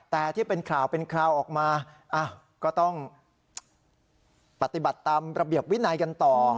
แต่ที่เป็นข่าวเป็นคราวออกมาก็ต้องปฏิบัติตามระเบียบวินัยกันต่อ